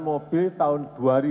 mobil tahun dua ribu dua puluh dua